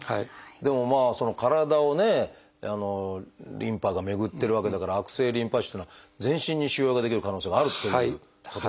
でも体をねリンパが巡ってるわけだから悪性リンパ腫っていうのは全身に腫瘍が出来る可能性があるということですもんね。